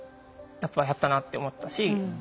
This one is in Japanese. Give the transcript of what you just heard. やっぱ「やったな」って思ったし。